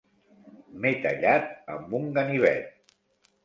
M'he tallat amb un ganivet.